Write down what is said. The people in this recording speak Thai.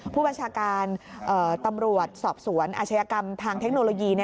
ผู้บัญชาการตำรวจสอบสวนอาชญากรรมทางเทคโนโลยี